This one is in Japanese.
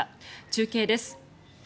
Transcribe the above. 中継です。